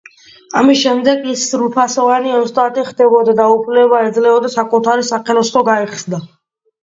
ამის შემდეგ ის სრულფასოვანი ოსტატი ხდებოდა და უფლება ეძლეოდა საკუთარი სახელოსნო გაეხსნა.